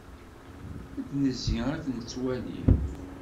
Ad d-nezzi, ad nettwali.